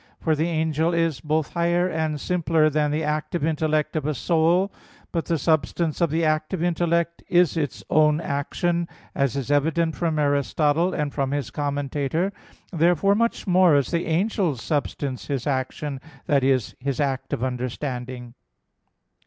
For the angel is both higher and simpler than the active intellect of a soul. But the substance of the active intellect is its own action; as is evident from Aristotle (De Anima iii) and from his Commentator [*Averroes, A.D. 1126 1198]. Therefore much more is the angel's substance his action that is, his act of understanding.